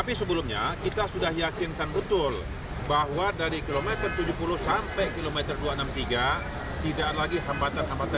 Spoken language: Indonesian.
pada saatnya tadi sudah kita lakukan langkah awal